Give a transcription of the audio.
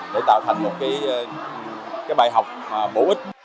để tạo thành một cái bài học bổ ích